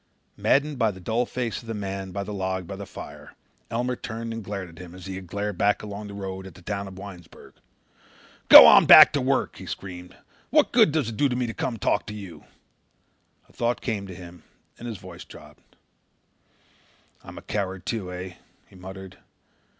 Maddened by the dull face of the man on the log by the fire, Elmer turned and glared at him as he had glared back along the road at the town of Winesburg. "Go on back to work," he screamed. "What good does it do me to talk to you?" A thought came to him and his voice dropped. "I'm a coward too, eh?" he muttered.